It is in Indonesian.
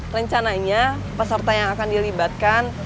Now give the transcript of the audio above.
rencananya peserta yang akan dilibatkan